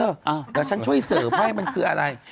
เดี๋ยวฉันช่วยเสิร์ฟให้มันคืออะไร